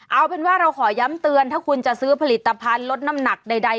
เอาเป็นว่าเราขอย้ำเตือนถ้าคุณจะซื้อผลิตภัณฑ์ลดน้ำหนักใด